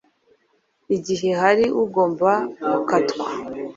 igihe hari agomba gukatwa.